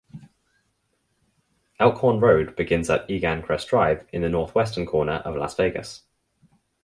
Elkhorn Road begins at Egan Crest Drive in the northwestern corner of Las Vegas.